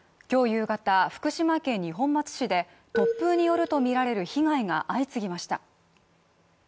夕方、福島県二本松市で突風によるとみられる被害が相次ぎました。